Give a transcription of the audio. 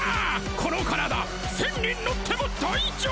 このカラダ１０００人乗っても大丈夫！